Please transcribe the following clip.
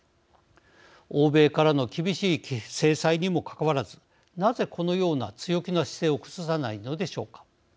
欧米からの厳しい制裁にも関わらずなぜ、このような強気な姿勢を崩さないのでしょうか。